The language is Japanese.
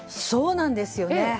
そうなんですよね。